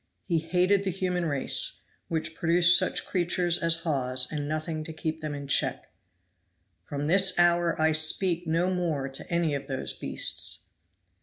He hated the human race, which produced such creatures as Hawes and nothing to keep them in check. "From this hour I speak no more to any of those beasts!"